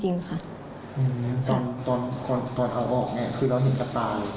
ตอนเขาบอกไงคือเราเห็นกับตาเลย